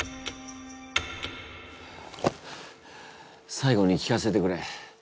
最後に聞かせてくれ。